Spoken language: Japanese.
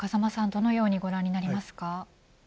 どのようにご覧になりますか。